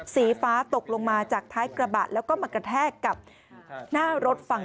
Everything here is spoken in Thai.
สีฟ้าตกลงมาจากท้ายกระบะแล้วก็มากระแทกกับหน้ารถฝั่ง